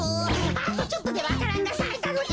あとちょっとでわか蘭がさいたのに！